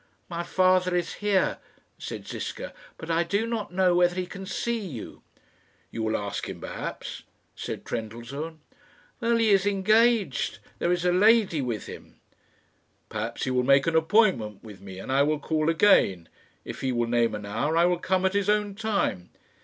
"My father is here," said Ziska, "but I do not know whether he can see you." "You will ask him, perhaps," said Trendellsohn. "Well, he is engaged. There is a lady with him." "Perhaps he will make an appointment with me, and I will call again. If he will name an hour, I will come at his own time."